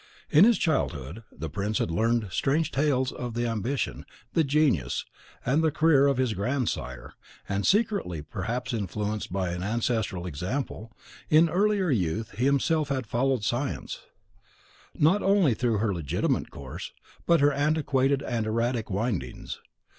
In his childhood, the prince had learned strange tales of the ambition, the genius, and the career of his grandsire, and secretly, perhaps influenced by ancestral example, in earlier youth he himself had followed science, not only through her legitimate course, but her antiquated and erratic windings.